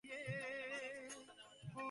সেটা ভালো হোক বা মন্দ হোক তাতে আমাদের হাত নেই।